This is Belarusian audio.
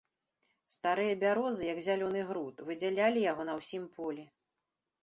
Старыя бярозы, як зялёны груд, выдзялялі яго на ўсім полі.